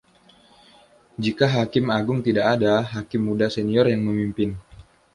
Jika Hakim Agung tidak ada, hakim muda senior yang memimpin.